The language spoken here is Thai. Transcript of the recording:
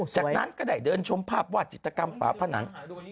จากนั้นก็ได้เดินชมภาพวาดจิตกรรมฝาผนัง